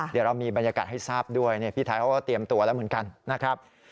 เดี๋ยวเรามีบรรยากาศให้ทราบด้วยพี่ไทยเขาก็เตรียมตัวแล้วเหมือนกันนะครับ